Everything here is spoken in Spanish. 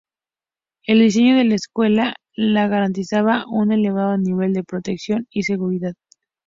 El diseño de la ciudadela le garantizaba un elevado nivel de protección y seguridad.